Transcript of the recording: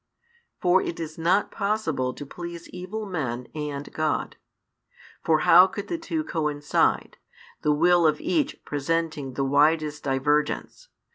For it is not possible to please evil men and God. For how could the two coincide, the will of each presenting the widest divergence?